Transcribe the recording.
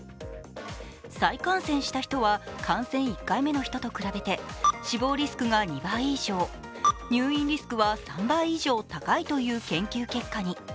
再感染した人は感染１回目の人と比べて死亡リスクが２倍以上、入院リスクは３倍以上高いという研究結果に。